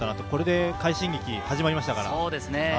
これで快進撃が始まりましたから。